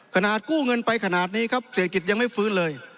กู้เงินไปขนาดนี้ครับเศรษฐกิจยังไม่ฟื้นเลย